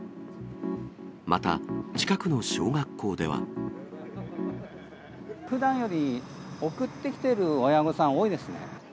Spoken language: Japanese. また、近くの小学校では。ふだんより送ってきてる親御さん多いですね。